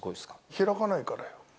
開かないからよ。